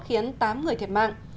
khiến tám người thiệt mạng